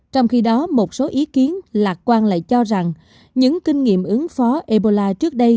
trong khi đó một số ý kiến lạc quan lại cho rằng những kinh nghiệm ứng phó ebola trước đây